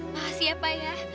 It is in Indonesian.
makasih ya pak ya